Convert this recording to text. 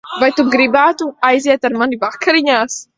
Vai tu gribētu aiziet ar mani vakariņās?